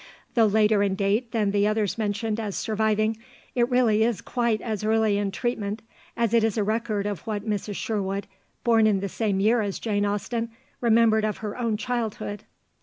Though later in date than the others mentioned as surviving, it really is quite as early in treatment, as it is a record of what Mrs. Sherwood, born in the same year as Jane Austen, remembered of her own childhood.